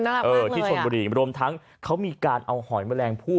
น่ารักมากเลยอ่ะที่ชนบุรีรวมทั้งเค้ามีการเอาหอยแมลงผู้